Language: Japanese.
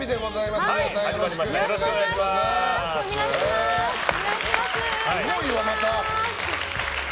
すごいよ、また。